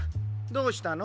どうしたの？